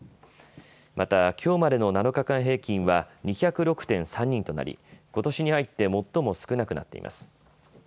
またきょうまでの７日間平均は２０６．３人となりことしに入って最も少なくなっています。